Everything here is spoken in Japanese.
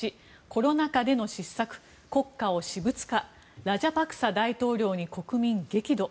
１コロナ禍での失策国家を私物化ラジャパクサ大統領に国民、激怒。